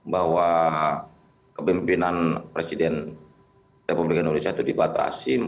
bahwa kepimpinan presiden republik indonesia itu dibatasi